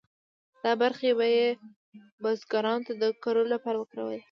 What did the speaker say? دا برخې به یې بزګرانو ته د کرلو لپاره ورکولې.